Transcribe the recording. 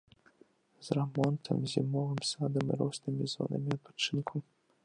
З рамонтам, зімовым садам і рознымі зонамі адпачынку.